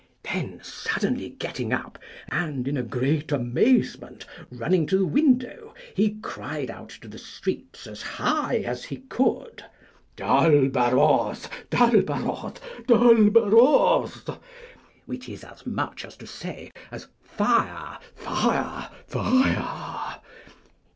Then suddenly getting up, and in a great amazement running to the window, he cried out to the streets as high as he could, Dal baroth, dal baroth, dal baroth, which is as much to say as Fire, fire, fire.